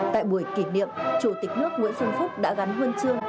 tại buổi kỷ niệm chủ tịch nước nguyễn xuân phúc đã gắn huân chương